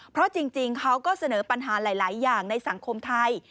เพราะจริงเขาก็เสนอปัญหาหลายอย่างในสังคมไทย